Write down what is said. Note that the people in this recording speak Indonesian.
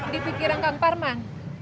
dipikir engkau pas